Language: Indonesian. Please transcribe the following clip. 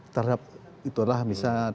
terhadap itu adalah misalnya